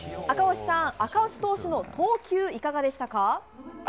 赤星さん、赤星投手の投球いかがでしたか？